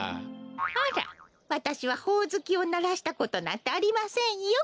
あらわたしはほおずきをならしたことなんてありませんよ。